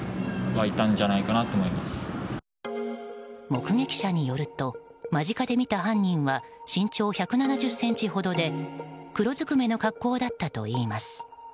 目撃者によると間近で見た犯人は身長１７０ｃｍほどで黒ずくめの格好だったといいます。